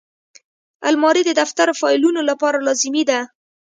الماري د دفتر فایلونو لپاره لازمي ده